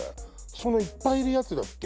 そのいっぱいいるやつだっけ？